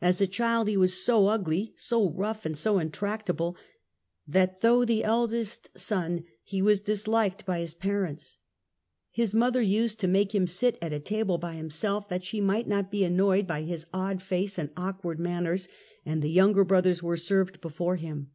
As a child he was so ugly, so rough and so intractable that, though the eldest son, he was disHked by his parents. His mother used to make him sit at a table by himself that she might not be annoyed by his odd face and awkward manners, and the younger brothers were served before him.